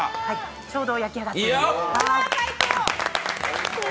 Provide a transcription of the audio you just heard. ちょうど焼き上がっております。